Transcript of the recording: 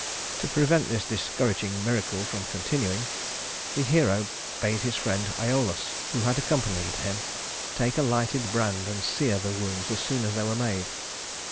To prevent this discouraging miracle from continuing, the hero bade his friend Iolaus, who had accompanied him, take a lighted brand and sear the wounds as soon as they were made.